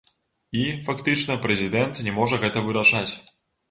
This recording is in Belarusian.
І, фактычна, прэзідэнт не можа гэта вырашаць.